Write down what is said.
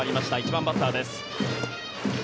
１番バッターです。